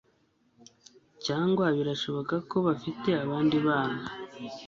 cyangwa birashoboka ko bafite abandi bana